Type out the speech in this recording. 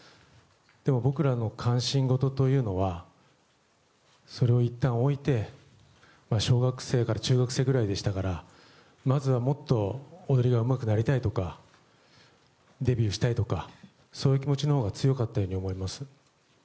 でも僕らの関心事というのはそれをいったん置いて小学生から中学生ぐらいでしたからまずはもっと踊りがうまくなりたいとかデビューしたいとかそういう気持ちのほうが強かったように思います。